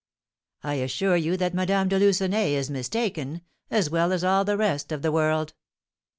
"I assure you that Madame de Lucenay is mistaken, as well as all the rest of the world."